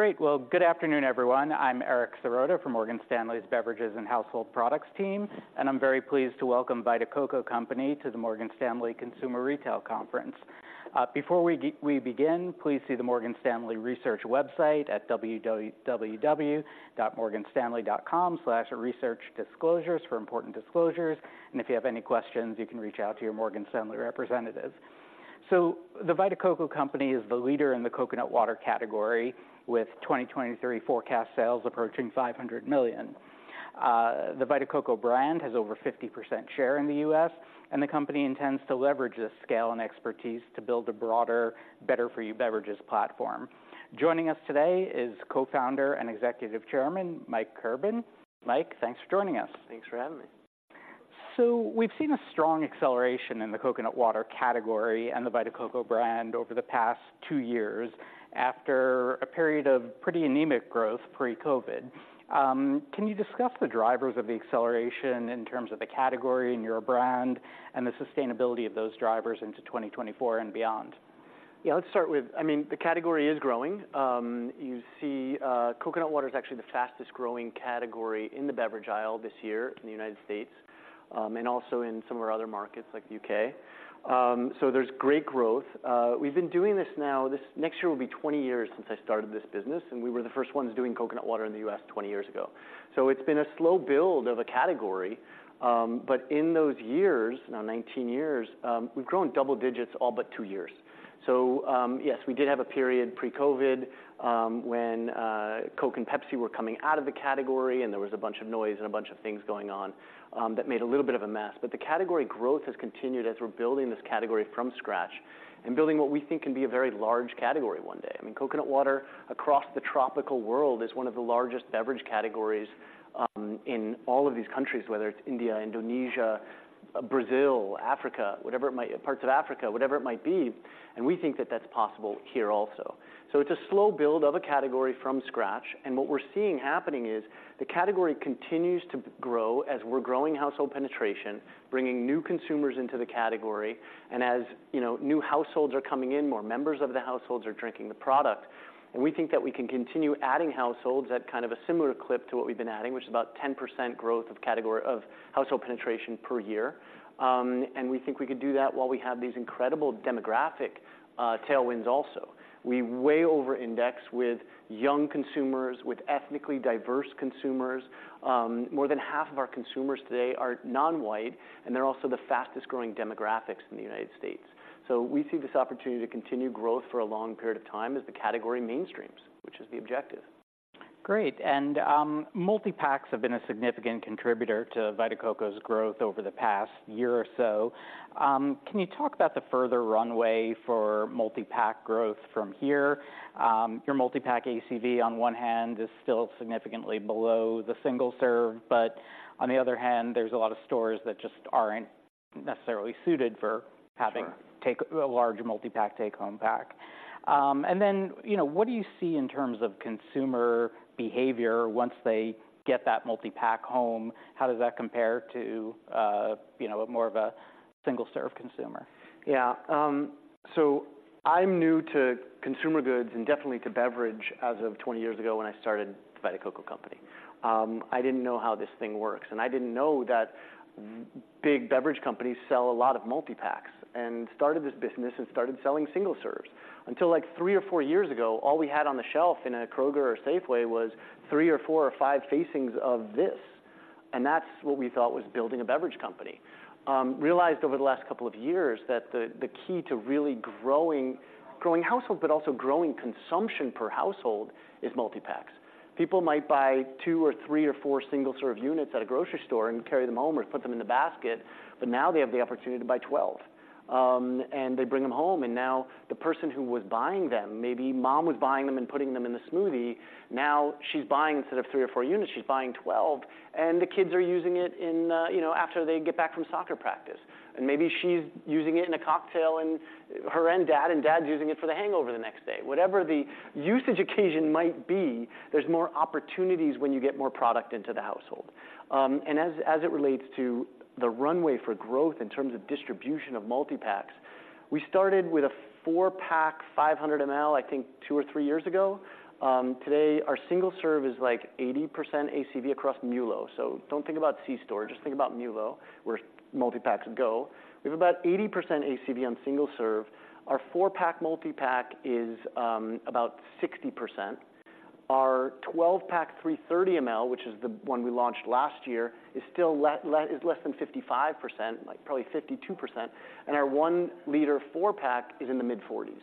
Great! Well, good afternoon, everyone. I'm Eric Serotta from Morgan Stanley's Beverages and Household Products team, and I'm very pleased to welcome The Vita Coco Company to the Morgan Stanley Consumer Retail Conference. Before we begin, please see the Morgan Stanley Research website at www.morganstanley.com/researchdisclosures for important disclosures, and if you have any questions, you can reach out to your Morgan Stanley representative. The Vita Coco Company is the leader in the Coconut Water category, with 2023 forecast sales approaching $500 million. The Vita Coco Brand has over 50% share in the U.S., and the company intends to leverage this scale and expertise to build a broader, better-for-you beverages platform. Joining us today is Co-founder and Executive Chairman, Mike Kirban. Mike, thanks for joining us. Thanks for having me. We've seen a strong acceleration in the Coconut Water category and the Vita Coco brand over the past two years, after a period of pretty anemic growth pre-COVID. Can you discuss the drivers of the acceleration in terms of the category and your brand, and the sustainability of those drivers into 2024 and beyond? Yeah, let's start with... I mean, the category is growing. You see, Coconut Water is actually the fastest growing category in the beverage aisle this year in the United States, and also in some of our other markets, like the U.K. So there's great growth. We've been doing this now, this next year will be 20 years since I started this business, and we were the first ones doing Coconut Water in the U.S. 20 years ago. So it's been a slow build of a category. But in those years, now 19 years, we've grown double digits all but 2 years. So, yes, we did have a period pre-COVID, when Coke and Pepsi were coming out of the category, and there was a bunch of noise and a bunch of things going on that made a little bit of a mess. But the category growth has continued as we're building this category from scratch, and building what we think can be a very large category one day. I mean, Coconut Water across the tropical world is one of the largest beverage categories in all of these countries, whether it's India, Indonesia, Brazil, Africa, parts of Africa, whatever it might be. And we think that that's possible here also. So it's a slow build of a category from scratch, and what we're seeing happening is the category continues to grow as we're growing household penetration, bringing new consumers into the category. As, you know, new households are coming in, more members of the households are drinking the product. We think that we can continue adding households at kind of a similar clip to what we've been adding, which is about 10% growth of category of household penetration per year. And we think we could do that while we have these incredible demographic tailwinds also. We way over-index with young consumers, with ethnically diverse consumers. More than half of our consumers today are non-white, and they're also the fastest growing demographics in the United States. So we see this opportunity to continue growth for a long period of time as the category mainstreams, which is the objective. Great, and, multi-packs have been a significant contributor to Vita Coco's growth over the past year or so. Can you talk about the further runway for multi-pack growth from here? Your multi-pack ACV, on one hand, is still significantly below the single serve, but on the other hand, there's a lot of stores that just aren't necessarily suited for having- Sure... take a large multi-pack, take-home pack. And then, you know, what do you see in terms of consumer behavior once they get that multi-pack home? How does that compare to, you know, more of a single serve consumer? Yeah. So I'm new to consumer goods and definitely to beverage as of 20 years ago when I started Vita Coco Company. I didn't know how this thing works, and I didn't know that big beverage companies sell a lot of multi-packs, and started this business and started selling single serves. Until, like, 3 or 4 years ago, all we had on the shelf in a Kroger or Safeway was 3 or 4 or 5 facings of this, and that's what we thought was building a beverage company. Realized over the last couple of years that the key to really growing households, but also growing consumption per household, is multi-packs. People might buy 2 or 3 or 4 single serve units at a grocery store and carry them home or put them in the basket, but now they have the opportunity to buy 12. And they bring them home, and now the person who was buying them, maybe Mom was buying them and putting them in the smoothie. Now she's buying, instead of 3 or 4 units, she's buying 12, and the kids are using it in, you know, after they get back from soccer practice. And maybe she's using it in a cocktail, and her and dad, and dad's using it for the hangover the next day. Whatever the usage occasion might be, there's more opportunities when you get more product into the household. And as it relates to the runway for growth in terms of distribution of multi-packs, we started with a 4-pack, 500 ml, I think, 2 or 3 years ago. Today, our single serve is, like, 80% ACV across MULO. So don't think about C-store, just think about MULO, where multi-packs go. We have about 80% ACV on single serve. Our 4-pack multi-pack is about 60%. Our 12-pack, 330 ml, which is the one we launched last year, is still less than 55%, like, probably 52%, and our 1 liter 4-pack is in the mid-40s percent.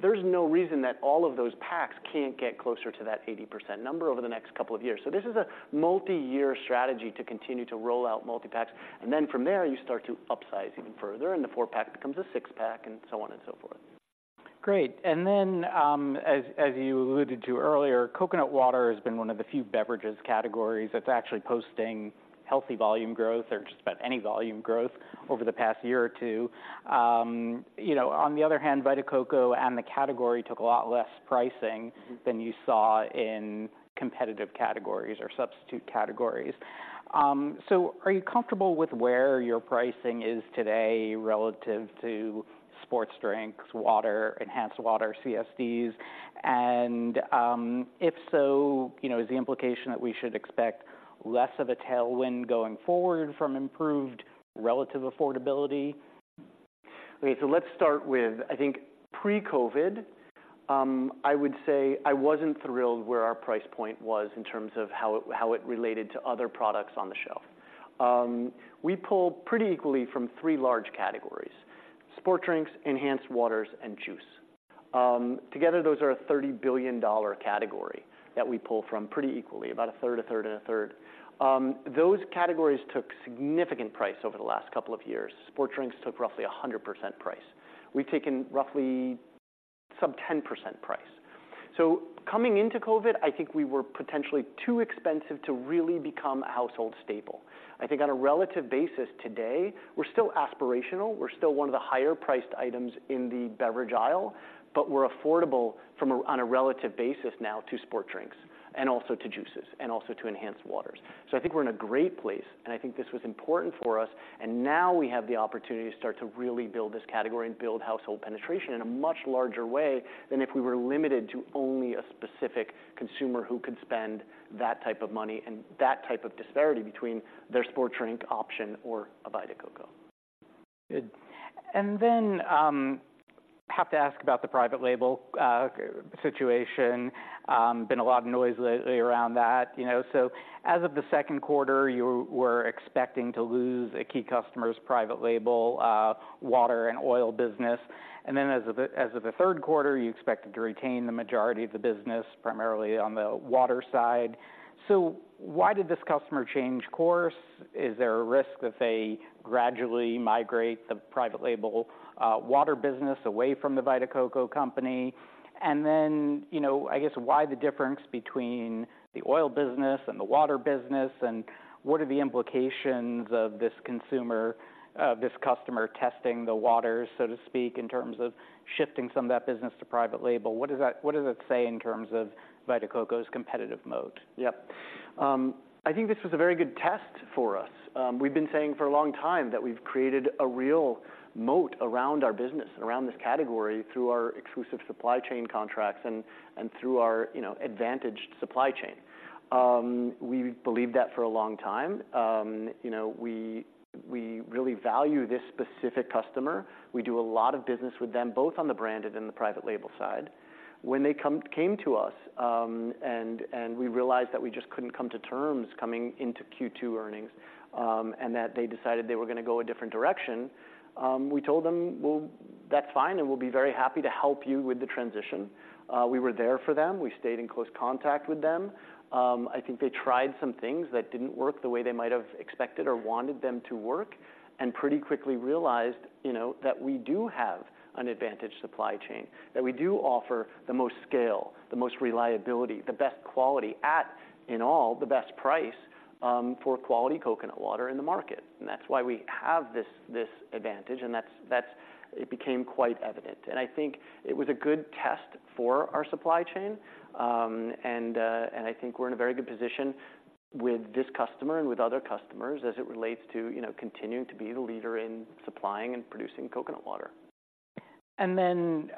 There's no reason that all of those packs can't get closer to that 80% number over the next couple of years. So this is a multi-year strategy to continue to roll out multi-packs, and then from there, you start to upsize even further, and the 4-pack becomes a 6-pack, and so on and so forth. Great. And then, as you alluded to earlier, Coconut Water has been one of the few beverages categories that's actually posting healthy volume growth or just about any volume growth over the past year or two. You know, on the other hand, Vita Coco and the category took a lot less pricing- Mm-hmm. - than you saw in competitive categories or substitute categories.... So are you comfortable with where your pricing is today relative to sports drinks, water, enhanced water, CSDs? And, if so, you know, is the implication that we should expect less of a tailwind going forward from improved relative affordability? Okay, so let's start with, I think pre-COVID, I would say I wasn't thrilled where our price point was in terms of how it, how it related to other products on the shelf. We pull pretty equally from three large categories: sport drinks, enhanced waters, and juice. Together, those are a $30 billion category that we pull from pretty equally, about a third, a third, and a third. Those categories took significant price over the last couple of years. Sport drinks took roughly 100% price. We've taken roughly sub-10% price. So coming into COVID, I think we were potentially too expensive to really become a household staple. I think on a relative basis today, we're still aspirational. We're still one of the higher priced items in the beverage aisle, but we're affordable from a relative basis now to sports drinks and also to juices and also to enhanced waters. So I think we're in a great place, and I think this was important for us, and now we have the opportunity to start to really build this category and build household penetration in a much larger way than if we were limited to only a specific consumer who could spend that type of money and that type of disparity between their sports drink option or a Vita Coco. Good. And then have to ask about the private label situation. Been a lot of noise lately around that, you know? So as of the second quarter, you were expecting to lose a key customer's private label water and oil business, and then as of the third quarter, you expected to retain the majority of the business, primarily on the water side. So why did this customer change course? Is there a risk that they gradually migrate the private label water business away from The Vita Coco Company? And then, you know, I guess, why the difference between the oil business and the water business, and what are the implications of this customer testing the waters, so to speak, in terms of shifting some of that business to private label? What does it say in terms of Vita Coco's competitive moat? Yep. I think this was a very good test for us. We've been saying for a long time that we've created a real moat around our business and around this category through our exclusive supply chain contracts and through our, you know, advantaged supply chain. We've believed that for a long time. You know, we really value this specific customer. We do a lot of business with them, both on the branded and the private label side. When they came to us, and we realized that we just couldn't come to terms coming into Q2 earnings, and that they decided they were going to go a different direction, we told them, "Well, that's fine, and we'll be very happy to help you with the transition." We were there for them. We stayed in close contact with them. I think they tried some things that didn't work the way they might have expected or wanted them to work, and pretty quickly realized, you know, that we do have an advantage supply chain, that we do offer the most scale, the most reliability, the best quality at, in all, the best price, for quality Coconut Water in the market. And that's why we have this advantage, and it became quite evident. And I think it was a good test for our supply chain, and I think we're in a very good position with this customer and with other customers as it relates to, you know, continuing to be the leader in supplying and producing Coconut Water. Then,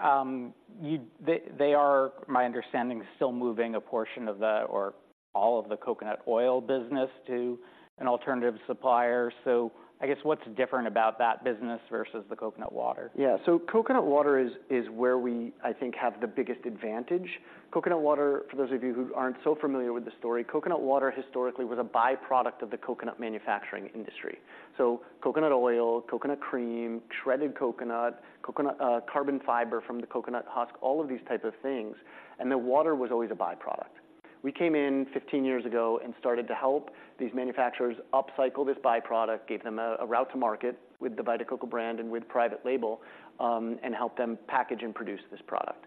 they are, my understanding, still moving a portion of the or all of the coconut oil business to an alternative supplier. So I guess what's different about that business versus the Coconut Water? Yeah. So Coconut Water is where we, I think, have the biggest advantage. Coconut water, for those of you who aren't so familiar with the story, Coconut Water historically was a byproduct of the coconut manufacturing industry. So coconut oil, coconut cream, shredded coconut, coconut carbon fiber from the coconut husk, all of these type of things, and the water was always a byproduct. We came in 15 years ago and started to help these manufacturers upcycle this byproduct, gave them a route to market with the Vita Coco brand and with private label, and helped them package and produce this product.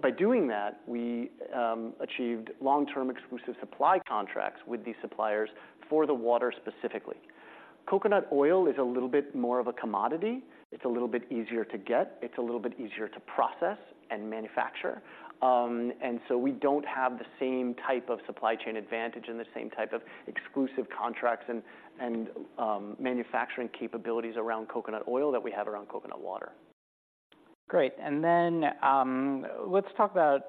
By doing that, we achieved long-term exclusive supply contracts with these suppliers for the water, specifically. Coconut oil is a little bit more of a commodity. It's a little bit easier to get. It's a little bit easier to process and manufacture. So we don't have the same type of supply chain advantage and the same type of exclusive contracts and manufacturing capabilities around coconut oil that we have around Coconut Water. Great. And then, let's talk about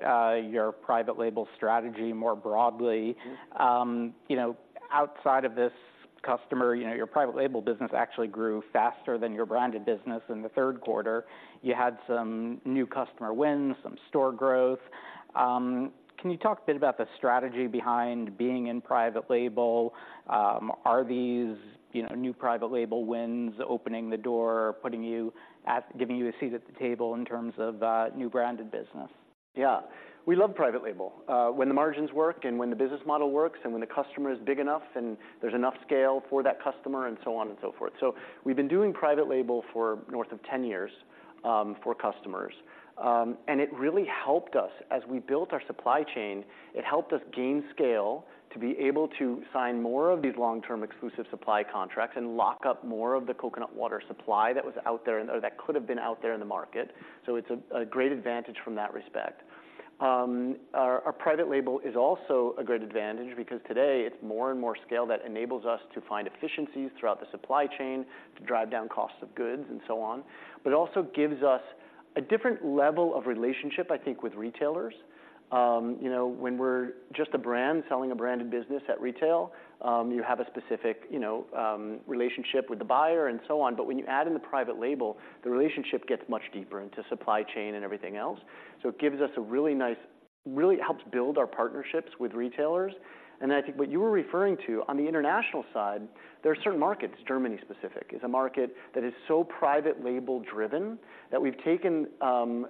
your private label strategy more broadly. Mm-hmm. You know, outside of this customer, you know, your private label business actually grew faster than your branded business in the third quarter. You had some new customer wins, some store growth. Can you talk a bit about the strategy behind being in private label? Are these, you know, new private label wins, opening the door, putting you at... giving you a seat at the table in terms of new branded business? Yeah, we love private label. When the margins work and when the business model works, and when the customer is big enough and there's enough scale for that customer and so on and so forth. So we've been doing private label for north of 10 years, for customers, and it really helped us. As we built our supply chain, it helped us gain scale to be able to sign more of these long-term exclusive supply contracts and lock up more of the Coconut Water supply that was out there, or that could have been out there in the market. So it's a great advantage from that respect. Our private label is also a great advantage because today it's more and more scale that enables us to find efficiencies throughout the supply chain, to drive down costs of goods and so on. But it also gives us a different level of relationship, I think, with retailers. You know, when we're just a brand selling a branded business at retail, you have a specific, you know, relationship with the buyer and so on. But when you add in the private label, the relationship gets much deeper into supply chain and everything else. So it gives us a really nice, really helps build our partnerships with retailers. And I think what you were referring to on the international side, there are certain markets, Germany specific, is a market that is so private label driven, that we've taken, the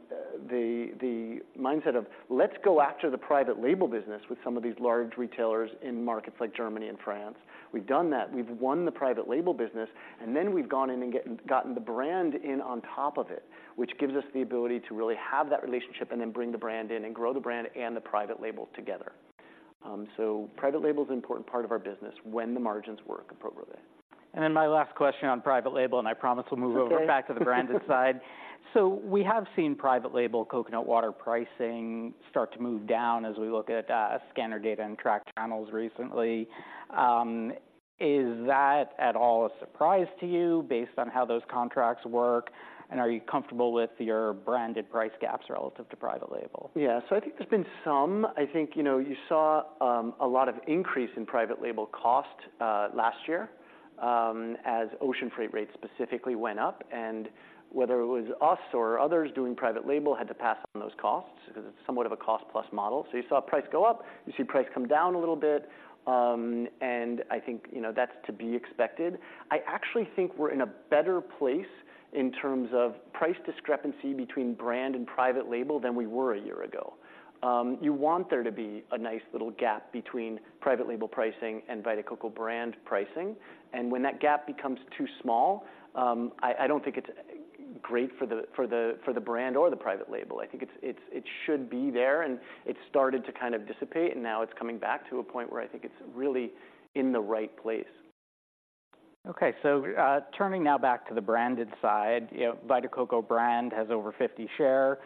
mindset of let's go after the private label business with some of these large retailers in markets like Germany and France. We've done that. We've won the private label business, and then we've gone in and gotten the brand in on top of it, which gives us the ability to really have that relationship and then bring the brand in and grow the brand and the private label together. So private label is an important part of our business when the margins work appropriately. And then my last question on private label, and I promise we'll move over back to the branded side. So we have seen private label Coconut Water pricing start to move down as we look at, scanner data and track panels recently. Is that at all a surprise to you based on how those contracts work? And are you comfortable with your branded price gaps relative to private label? Yeah. So I think there's been some. I think, you know, you saw, a lot of increase in private label cost, last year, as ocean freight rates specifically went up. And whether it was us or others doing private label had to pass on those costs because it's somewhat of a cost-plus model. So you saw price go up, you see price come down a little bit, and I think, you know, that's to be expected. I actually think we're in a better place in terms of price discrepancy between brand and private label than we were a year ago. You want there to be a nice little gap between private label pricing and Vita Coco brand pricing. And when that gap becomes too small, I, I don't think it's great for the, for the, for the brand or the private label. I think it's. It should be there, and it started to kind of dissipate, and now it's coming back to a point where I think it's really in the right place. Okay. So, turning now back to the branded side, you know, Vita Coco brand has over 50% share.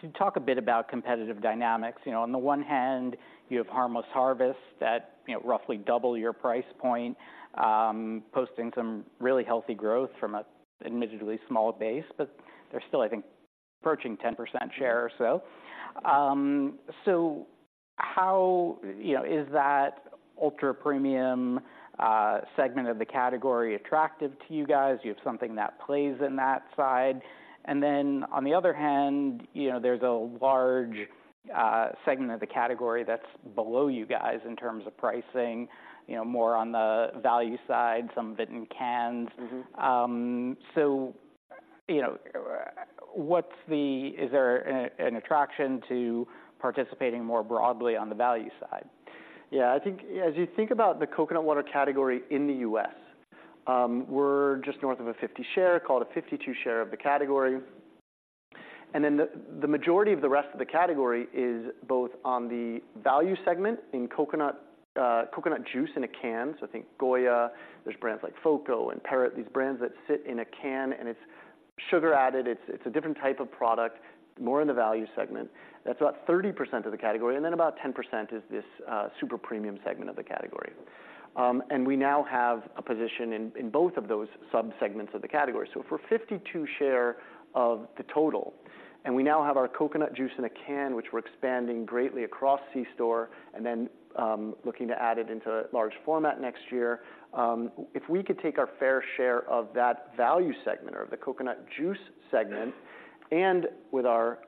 Could you talk a bit about competitive dynamics? You know, on the one hand, you have Harmless Harvest that, you know, roughly double your price point, posting some really healthy growth from an admittedly small base, but they're still, I think, approaching 10% share or so. So how... You know, is that ultra-premium segment of the category attractive to you guys? Do you have something that plays in that side? And then on the other hand, you know, there's a large segment of the category that's below you guys in terms of pricing, you know, more on the value side, some of it in cans. Mm-hmm. So, you know, what's the... Is there an attraction to participating more broadly on the value side? Yeah, I think as you think about the Coconut Water category in the U.S., we're just north of a 50% share, call it a 52% share of the category. And then the majority of the rest of the category is both on the value segment in coconut juice in a can. So I think Goya, there's brands like FOCO and Parrot, these brands that sit in a can, and it's sugar-added. It's a different type of product, more in the value segment. That's about 30% of the category, and then about 10% is this super-premium segment of the category. And we now have a position in both of those subsegments of the category. For 52% share of the total, and we now have our coconut juice in a can, which we're expanding greatly across C-store, and then looking to add it into large format next year. If we could take our fair share of that value segment or the coconut juice segment, and with our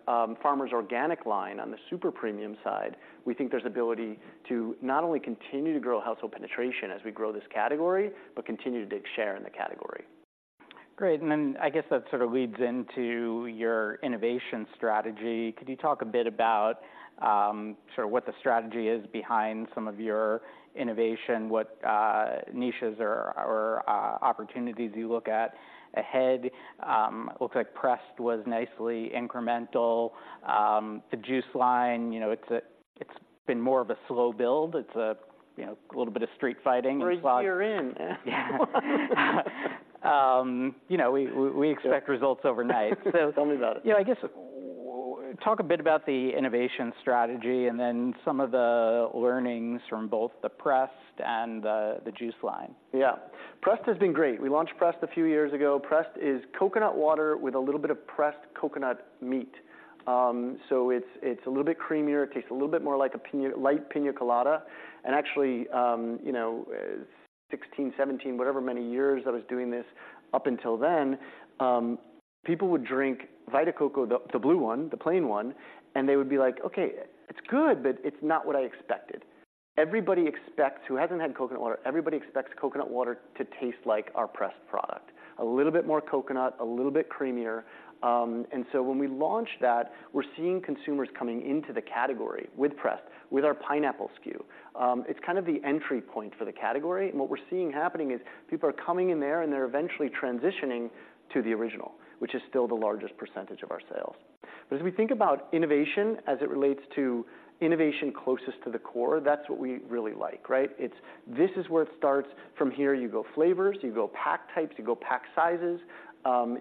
Farmers Organic line on the super-premium side, we think there's ability to not only continue to grow household penetration as we grow this category, but continue to take share in the category. Great. Then I guess that sort of leads into your innovation strategy. Could you talk a bit about sort of what the strategy is behind some of your innovation? What niches or opportunities you look at ahead? It looks like Pressed was nicely incremental. The juice line, you know, it's a... It's been more of a slow build. It's a, you know, little bit of street fighting and- We're a year in. You know, we expect results overnight. Tell me about it. Yeah, I guess, talk a bit about the innovation strategy and then some of the learnings from both the Pressed and the, the juice line. Yeah. Pressed has been great. We launched Pressed a few years ago. Pressed is Coconut Water with a little bit of pressed coconut meat. So it's a little bit creamier. It tastes a little bit more like a light piña colada. And actually, you know, 16, 17, whatever many years I was doing this up until then, people would drink Vita Coco, the blue one, the plain one, and they would be like, "Okay, it's good, but it's not what I expected." Everybody expects... Who hasn't had Coconut Water, everybody expects Coconut Water to taste like our Pressed product. A little bit more coconut, a little bit creamier. And so when we launched that, we're seeing consumers coming into the category with Pressed, with our pineapple SKU. It's kind of the entry point for the category. What we're seeing happening is people are coming in there, and they're eventually transitioning to the original, which is still the largest percentage of our sales. But as we think about innovation, as it relates to innovation closest to the core, that's what we really like, right? It's this is where it starts. From here, you go flavors, you go pack types, you go pack sizes,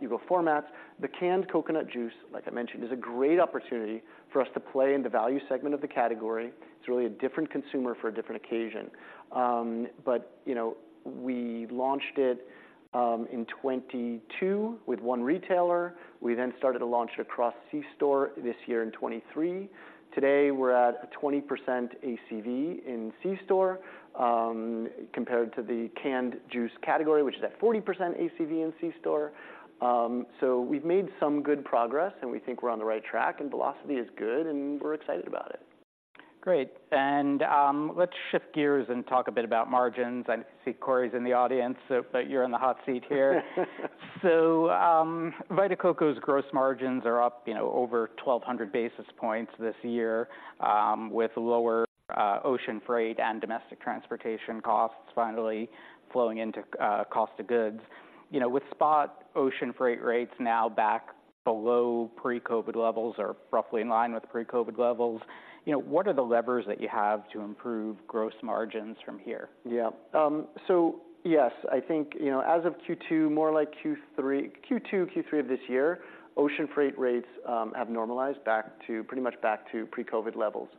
you go formats. The canned coconut juice, like I mentioned, is a great opportunity for us to play in the value segment of the category. It's really a different consumer for a different occasion. But, you know, we launched it in 2022 with one retailer. We then started to launch it across C-store this year in 2023. Today, we're at a 20% ACV in C-store, compared to the canned juice category, which is at 40% ACV in C-store. We've made some good progress, and we think we're on the right track, and velocity is good, and we're excited about it. Great. And, let's shift gears and talk a bit about margins. I see Corey's in the audience, so, but you're in the hot seat here. So, Vita Coco's gross margins are up, you know, over 1,200 basis points this year, with lower ocean freight and domestic transportation costs finally flowing into cost of goods. You know, with spot ocean freight rates now back below pre-COVID levels or roughly in line with pre-COVID levels, you know, what are the levers that you have to improve gross margins from here? Yeah. So yes, I think, you know, as of Q2, more like Q3... Q2, Q3 of this year, ocean freight rates have normalized back to pretty much back to pre-COVID levels.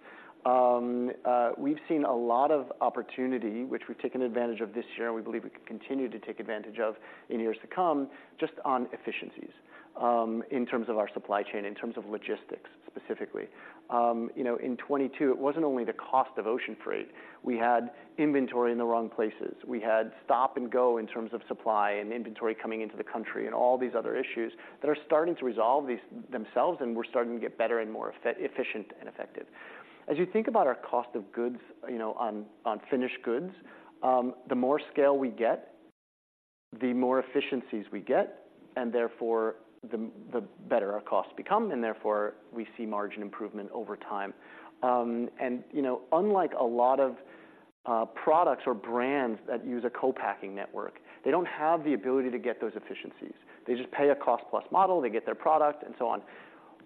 We've seen a lot of opportunity, which we've taken advantage of this year, and we believe we can continue to take advantage of in years to come, just on efficiencies in terms of our supply chain, in terms of logistics, specifically. You know, in 2022, it wasn't only the cost of ocean freight. We had inventory in the wrong places. We had stop and go in terms of supply and inventory coming into the country and all these other issues that are starting to resolve themselves, and we're starting to get better and more efficient and effective. As you think about our cost of goods, you know, on finished goods, the more scale we get, the more efficiencies we get, and therefore, the better our costs become, and therefore, we see margin improvement over time. And, you know, unlike a lot of products or brands that use a co-packing network, they don't have the ability to get those efficiencies. They just pay a cost-plus model, they get their product, and so on.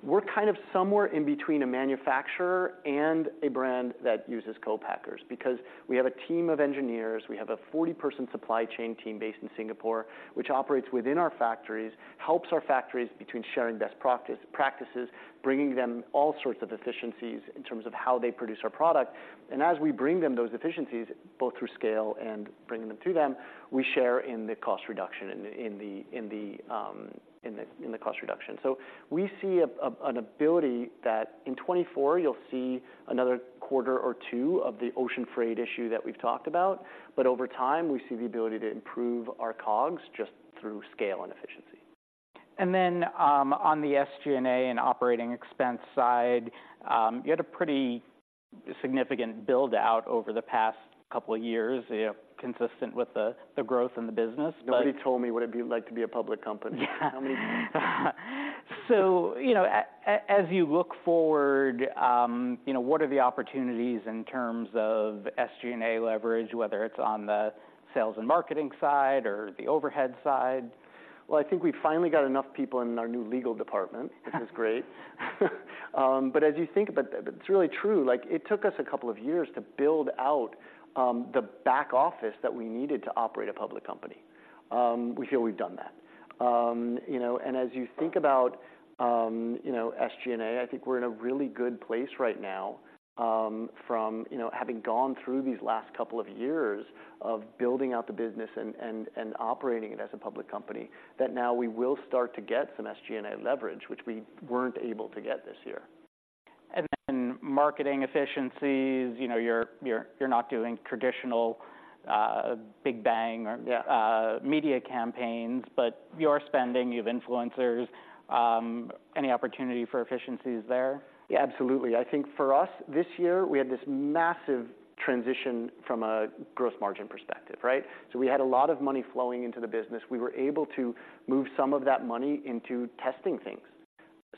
We're kind of somewhere in between a manufacturer and a brand that uses co-packers, because we have a team of engineers, we have a 40-person supply chain team based in Singapore, which operates within our factories, helps our factories by sharing best practices, bringing them all sorts of efficiencies in terms of how they produce our product. As we bring them those efficiencies, both through scale and bringing them to them, we share in the cost reduction. So we see an ability that in 2024, you'll see another quarter or two of the ocean freight issue that we've talked about, but over time, we see the ability to improve our COGS just through scale and efficiency. And then, on the SG&A and operating expense side, you had a pretty significant build-out over the past couple of years, you know, consistent with the growth in the business, but- Nobody told me what it'd be like to be a public company. Yeah. Tell me. So, you know, as you look forward, you know, what are the opportunities in terms of SG&A leverage, whether it's on the sales and marketing side or the overhead side? Well, I think we've finally got enough people in our new legal department, which is great. But as you think... But it's really true. Like, it took us a couple of years to build out the back office that we needed to operate a public company. We feel we've done that. You know, and as you think about, you know, SG&A, I think we're in a really good place right now, from, you know, having gone through these last couple of years of building out the business and operating it as a public company, that now we will start to get some SG&A leverage, which we weren't able to get this year. And then marketing efficiencies, you know, you're not doing traditional big bang or- Yeah... media campaigns, but you are spending, you have influencers. Any opportunity for efficiencies there? Yeah, absolutely. I think for us, this year, we had this massive transition from a gross margin perspective, right? So we had a lot of money flowing into the business. We were able to move some of that money into testing things,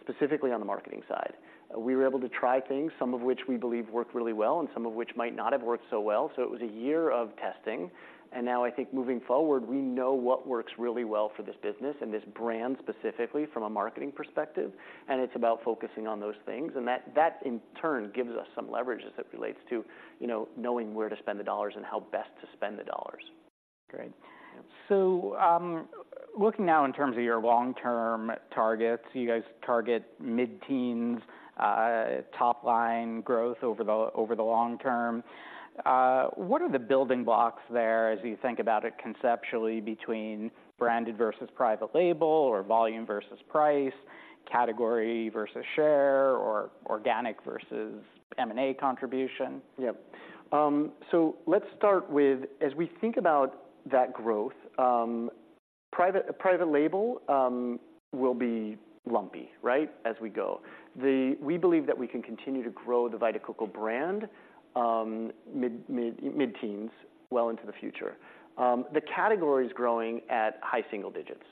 specifically on the marketing side. We were able to try things, some of which we believe worked really well and some of which might not have worked so well. So it was a year of testing, and now I think moving forward, we know what works really well for this business and this brand specifically from a marketing perspective, and it's about focusing on those things. And that, that, in turn, gives us some leverage as it relates to, you know, knowing where to spend the dollars and how best to spend the dollars. Great. So, looking now in terms of your long-term targets, you guys target mid-teens, top line growth over the long term. What are the building blocks there as you think about it conceptually between branded versus private label, or volume versus price, category versus share, or organic versus M&A contribution? Yep. So let's start with, as we think about that growth, private label will be lumpy, right, as we go. We believe that we can continue to grow the Vita Coco brand mid-teens well into the future. The category is growing at high single digits.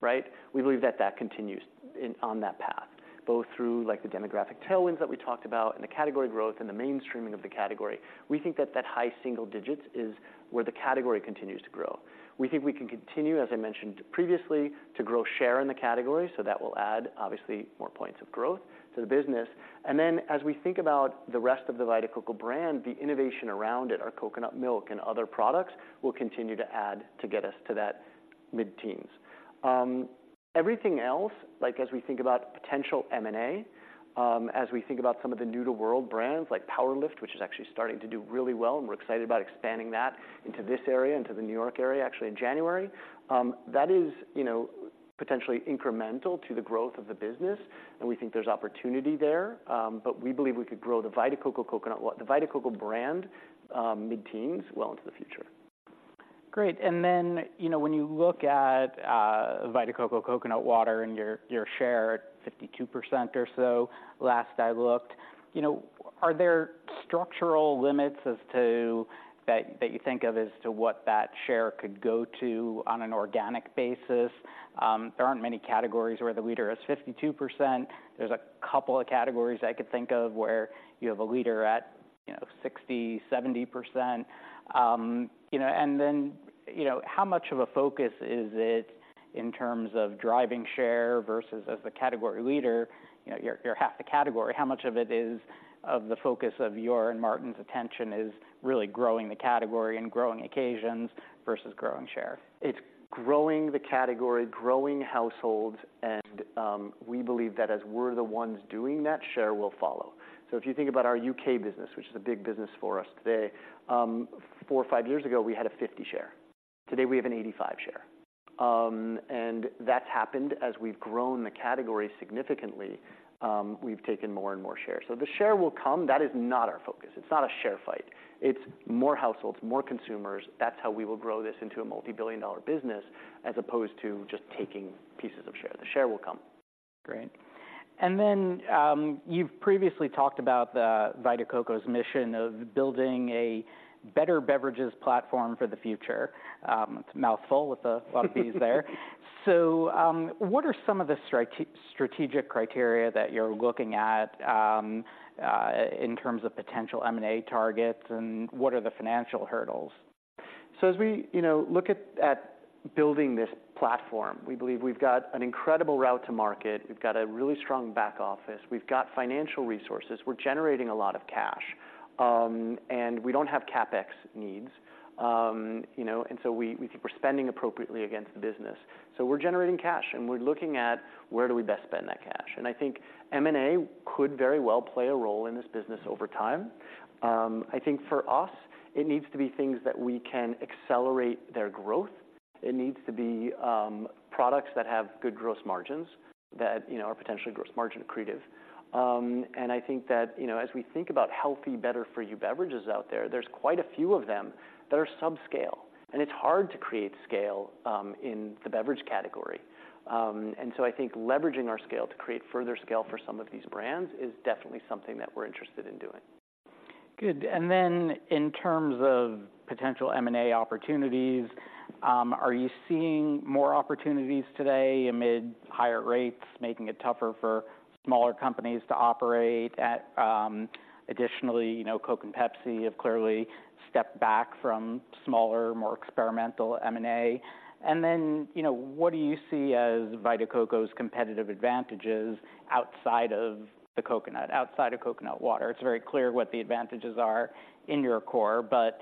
Right? We believe that that continues in on that path, both through, like, the demographic tailwinds that we talked about and the category growth and the mainstreaming of the category. We think that that high single digits is where the category continues to grow. We think we can continue, as I mentioned previously, to grow share in the category, so that will add, obviously, more points of growth to the business. And then, as we think about the rest of the Vita Coco Brand, the innovation around it, our coconut milk and other products, will continue to add to get us to that mid-teens. Everything else, like, as we think about potential M&A, as we think about some of the new-to-world brands, like PWR LIFT, which is actually starting to do really well, and we're excited about expanding that into this area, into the New York area, actually in January. That is, you know, potentially incremental to the growth of the business, and we think there's opportunity there. But we believe we could grow the Vita Coco Coconut Water- the Vita Coco Brand, mid-teens well into the future. Great. And then, you know, when you look at, Vita Coco Coconut Water and your, your share at 52% or so, last I looked, you know, are there structural limits as to... That, that you think of as to what that share could go to on an organic basis? There aren't many categories where the leader is 52%. There's a couple of categories I could think of where you have a leader at, you know, 60%, 70%. You know, and then, you know, how much of a focus is it in terms of driving share versus as the category leader? You know, you're, you're half the category. How much of it is of the focus of your and Martin's attention is really growing the category and growing occasions versus growing share? It's growing the category, growing households, and, we believe that as we're the ones doing that, share will follow. So if you think about our U.K. business, which is a big business for us today, four or five years ago, we had a 50% share. Today, we have an 85% share. That's happened as we've grown the category significantly, we've taken more and more shares. So the share will come. That is not our focus. It's not a share fight. It's more households, more consumers. That's how we will grow this into a multi-billion dollar business, as opposed to just taking pieces of share. The share will come. Great. Then, you've previously talked about the Vita Coco's mission of building a better beverages platform for the future. It's a mouthful with a lot of Bs there. So, what are some of the strategic criteria that you're looking at, in terms of potential M&A targets, and what are the financial hurdles? So as we, you know, look at building this platform, we believe we've got an incredible route to market. We've got a really strong back office. We've got financial resources. We're generating a lot of cash, and we don't have CapEx needs. You know, and so we think we're spending appropriately against the business. So we're generating cash, and we're looking at where do we best spend that cash. And I think M&A could very well play a role in this business over time. I think for us, it needs to be things that we can accelerate their growth. It needs to be products that have good gross margins, that, you know, are potentially gross margin accretive. And I think that, you know, as we think about healthy, better-for-you beverages out there, there's quite a few of them that are subscale, and it's hard to create scale in the beverage category. And so I think leveraging our scale to create further scale for some of these brands is definitely something that we're interested in doing. Good. And then in terms of potential M&A opportunities, are you seeing more opportunities today amid higher rates, making it tougher for smaller companies to operate at... Additionally, you know, Coke and Pepsi have clearly stepped back from smaller, more experimental M&A. And then, you know, what do you see as Vita Coco's competitive advantages outside of the Coconut, outside of Coconut Water? It's very clear what the advantages are in your core, but,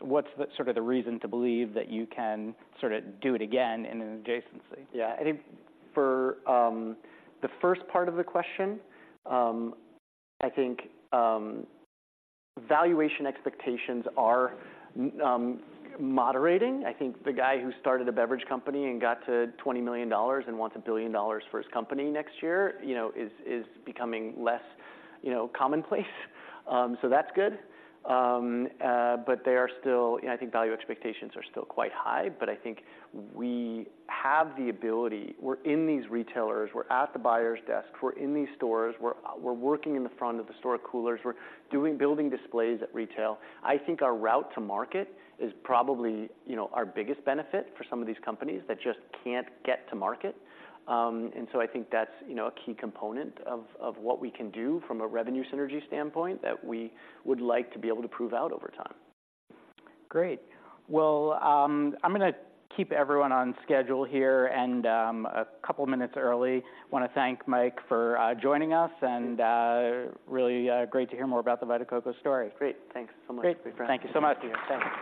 what's the sort of the reason to believe that you can sort of do it again in an adjacency? Yeah. I think for the first part of the question, I think valuation expectations are moderating. I think the guy who started a beverage company and got to $20 million and wants $1 billion for his company next year, you know, is becoming less, you know, commonplace. So that's good. But they are still... I think value expectations are still quite high, but I think we have the ability. We're in these retailers, we're at the buyer's desk, we're in these stores, we're working in the front of the store coolers, we're doing building displays at retail. I think our route to market is probably, you know, our biggest benefit for some of these companies that just can't get to market. And so I think that's, you know, a key component of what we can do from a revenue synergy standpoint that we would like to be able to prove out over time. Great. Well, I'm gonna keep everyone on schedule here and a couple minutes early. Want to thank Mike for joining us and, really, great to hear more about the Vita Coco story. Great. Thanks so much. Great. Thank you so much. Yeah, thanks.